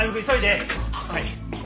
はい！